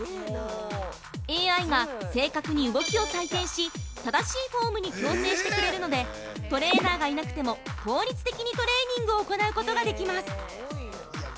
ＡＩが正確に動きを採点し正しいフォームに矯正してくれるのでトレーナーがいなくても効率的にトレーニングを行うことができます！